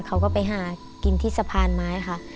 เขาก็ไปหากินที่สะพานไม้ค่ะ